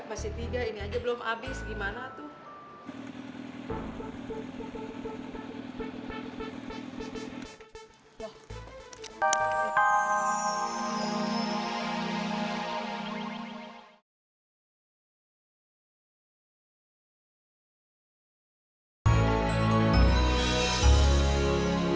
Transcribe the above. masih tiga ini aja belum habis gimana tuh